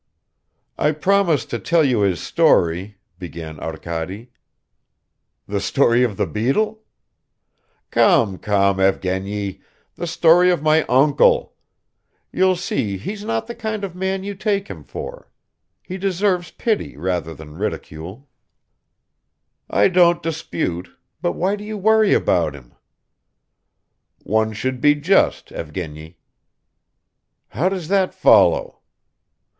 "I promised to tell you his story ..." began Arkady. "The story of the beetle?" "Come, come, Evgeny the story of my uncle. You'll see he's not the kind of man you take him for. He deserves pity rather than ridicule." "I don't dispute, but why do you worry about him?" "One should be just, Evgeny." "How does that follow?"